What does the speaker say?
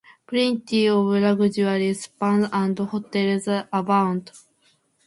Plenty of luxury spas and hotels abound.